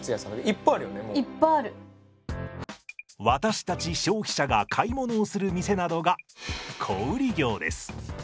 私たち消費者が買い物をする店などが小売業です。